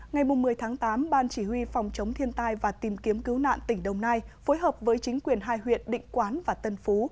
ngày một mươi tháng tám ban chỉ huy phòng chống thiên tai và tìm kiếm cứu nạn tỉnh đồng nai phối hợp với chính quyền hai huyện định quán và tân phú